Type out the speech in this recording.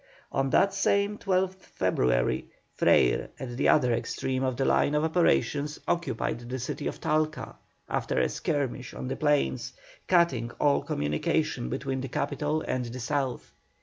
On that same 12th February Freyre, at the other extreme of the line of operations, occupied the city of Talca, after a skirmish on the plains, cutting all communication between the capital and the south.